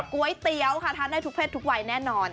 ก๋วยเตี๋ยวค่ะทานได้ทุกเพศทุกวัยแน่นอน